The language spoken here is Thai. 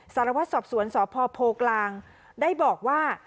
สารวัตรสอบสวนสพโพกลางได้บอกว่า